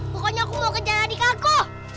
pokoknya aku mau kerja adik aku